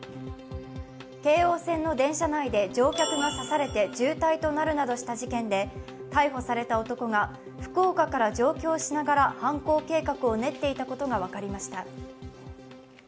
京王線の電車内で乗客が刺されて重体となるなどした事件で逮捕された男が福岡から上京しながら犯行計画を練っていたことが分かりました。